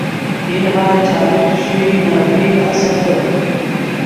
فی الحال چالو چے ݰوئی نفرئی آستّے۔